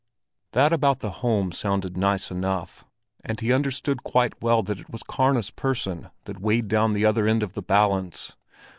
That about the home sounded nice enough, and he understood quite well that it was Karna's person that weighed down the other end of the balance.